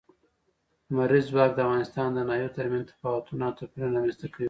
لمریز ځواک د افغانستان د ناحیو ترمنځ تفاوتونه او توپیرونه رامنځ ته کوي.